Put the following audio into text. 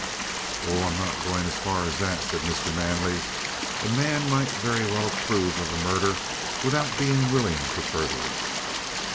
"Oh, I'm not going as far as that," said Mr. Manley. "A man might very well approve of a murder without being willing to further it."